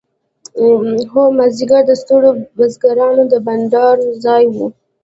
هر مازیګر د ستړو بزګرانو د بنډار ځای و.